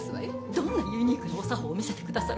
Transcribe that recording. どんなユニークなお作法を見せてくださるか。